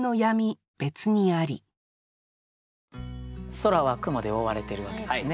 空は雲で覆われてるわけですね。